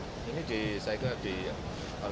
akan memunculkan sebuah pelaksanaan yang lebih baik